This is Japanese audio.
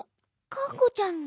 がんこちゃんの？